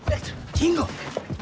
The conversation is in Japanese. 金吾！